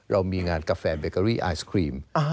เรามีงานกาแฟเบเกอรี่ไอศครีม